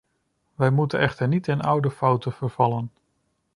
Wij moeten echter niet in oude fouten vervallen.